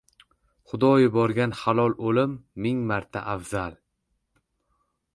Xudo yuborgan halol o‘lim ming marta afzal.